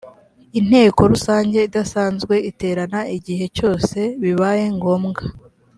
inteko rusange idasanzwe iterana igihe cyose bibaye ngombwa